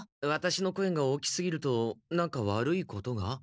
ワタシの声が大きすぎると何か悪いことが？